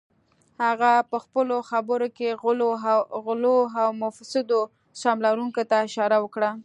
هغه پهخپلو خبرو کې غلو او مفسدو سهم لرونکو ته اشاره وکړه